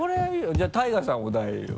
じゃあＴＡＩＧＡさんお題を。